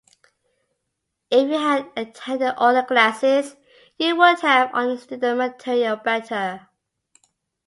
If you had attended all the classes, you would have understood the material better.